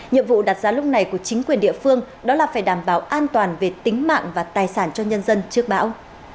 nhiệm vụ đặt ra lúc này của chính quyền địa phương đó là phải đảm bảo an toàn về tính mạng và tài sản cho nhân dân trước bão